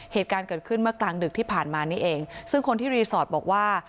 เหตุการณ์เกิดขึ้นเมื่อกลางดึกที่ผ่านมานี่เองซึ่งคนที่รีสอร์ทบอกว่า